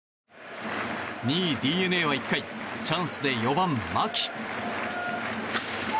２位、ＤｅＮＡは１回チャンスで４番、牧。